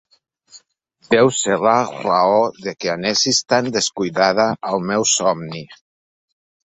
Deu ser la raó de que anessis tan descuidada al meu somni.